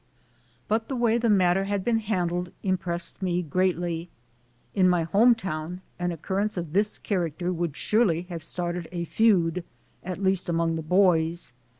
But the way the matter had been handled im pressed me greatly. In my home town, an occurrence of this character would surely have started a feud, at least among the boys.